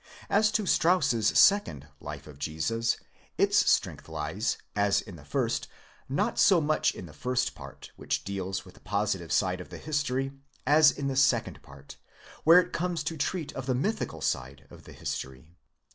As to Strauss's second Life of Jesus, its: strength lies, as in the first, not so much in the first part, which deals with the positive side of the history,. as in the second part, where it comes to treat of the: mythical side of the history.